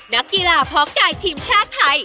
นักกีฬาพอล์กไกด์ทีมชาติไทย